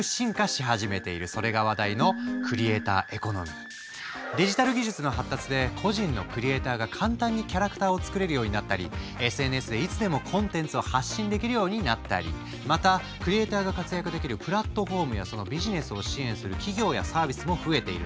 それが話題のデジタル技術の発達で個人のクリエイターが簡単にキャラクターを作れるようになったりＳＮＳでいつでもコンテンツを発信できるようになったりまたクリエイターが活躍できるプラットフォームやそのビジネスを支援する企業やサービスも増えているんだ。